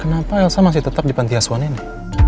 kenapa elsa masih tetap di pantiasuhan ini